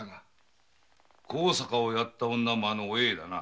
江坂を殺った女もあのお栄だな？